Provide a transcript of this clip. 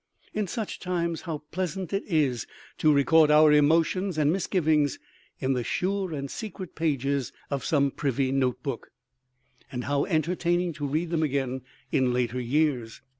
In such times, how pleasant it is to record our emotions and misgivings in the sure and secret pages of some privy notebook; and how entertaining to read them again in later years!